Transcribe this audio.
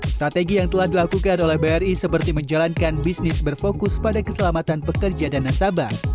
strategi yang telah dilakukan oleh bri seperti menjalankan bisnis berfokus pada keselamatan pekerja dan nasabah